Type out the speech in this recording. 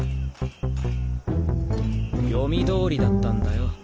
読み通りだったんだよ。